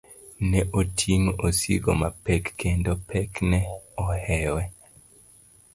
Ne oting'o osigo mapek kendo pek ne ohewe.